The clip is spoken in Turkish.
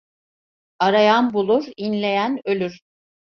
Arayan bulur, inleyen ölür.